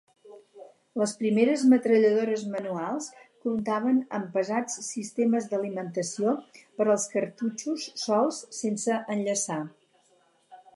Les primeres metralladores manuals comptaven amb pesats sistemes d'alimentació per als cartutxos solts; sense enllaçar.